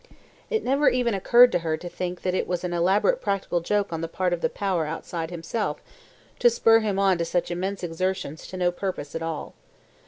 It never even occurred to her to think that it was an elaborate practical joke on the part of the Power outside himself, to spur him on to such immense exertions to no purpose at all.